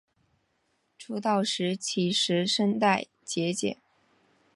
出道时其实声带结茧。